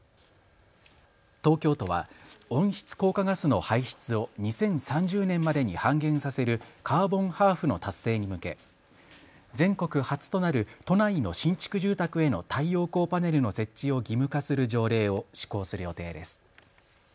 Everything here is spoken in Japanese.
東京都は温室効果ガスの排出を２０３０年までに半減させるカーボンハーフの達成に向け全国初となる都内の新築住宅への太陽光パネルの設置を義務化する条例を施行する予定です。